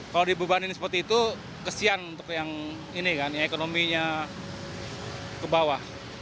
kalau dibebanin seperti itu kesian untuk yang ini kan ekonominya ke bawah